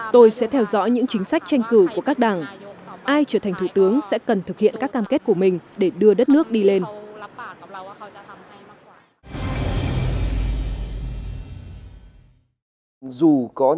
tôi sẽ theo dõi những chính sách tranh cử của các đảng ai trở thành thủ tướng sẽ cần thực hiện các cam kết của mình để đưa đất nước đi lên